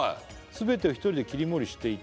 「すべてを一人で切り盛りしていて」